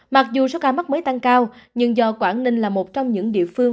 mặc dù số ca mắc mới tăng cao nhưng do quảng ninh là một trong những địa phương